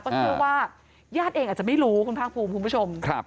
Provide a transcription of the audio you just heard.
ก็เชื่อว่าญาติเองอาจจะไม่รู้คุณภาคภูมิคุณผู้ชม